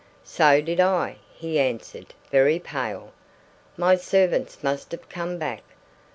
"So did I," he answered, very pale. "My servants must have come back.